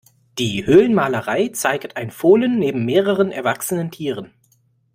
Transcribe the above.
Die Höhlenmalerei zeigt ein Fohlen neben mehreren erwachsenen Tieren.